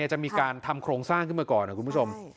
จะมีการทำโครงสร้างขึ้นมาก่อนนะคุณผู้ชม